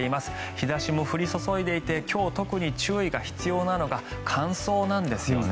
日差しも降り注いでいて今日、特に注意が必要なのが乾燥なんですよね。